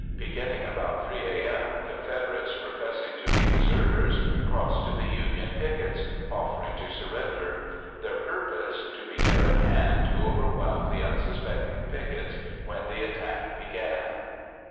Beginning about 3 a.m., Confederates professing to be deserters crossed to the Union pickets offering to surrender. Their purpose: to be near at hand to overwhelm the unsuspecting pickets when the attack began.